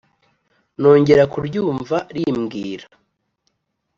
nongera kuryumva rimbwira